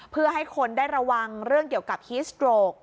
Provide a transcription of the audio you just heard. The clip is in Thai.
เพื่อให้คนได้ระวังเรื่องเกี่ยวกับฮิสโตรก